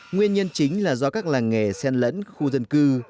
nguyên nhân chính là do các làng nghề sen lẫn khu dân cư